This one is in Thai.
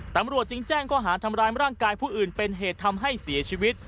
ตำรวจจึงแจ้งข้อหาทำร้ายร่างกายผู้อื่นเป็นเหตุทำให้เสียชีวิต